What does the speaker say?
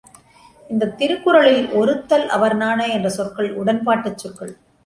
இந்தத் திருக்குறளில் ஒறுத்தல் அவர்நாண என்ற சொற்கள் உடன் பாட்டுச் சொற்கள்.